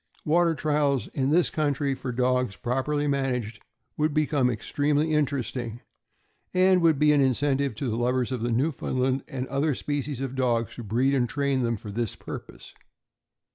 Water trials in this country for dogs, properly managed, would become extremely interesting, and would be an incentive to the lovers of Newfoundland and other species of dogs to breed and train them for this purpose.